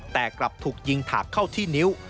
แต่กลับถูกยิงถากเข้าที่นิ้ว